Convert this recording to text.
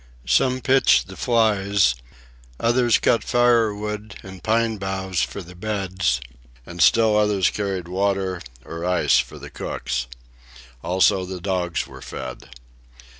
Some pitched the flies, others cut firewood and pine boughs for the beds, and still others carried water or ice for the cooks. Also, the dogs were fed.